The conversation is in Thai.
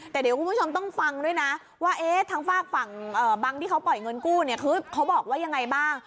แต่เดี๋ยวคุณผู้ชมต้องฟังด้วยนะว่าทางฝากฝั่งบังที่เขาปล่อยเงินกู้เนี่ยคือเขาบอกว่ายังไงบ้าง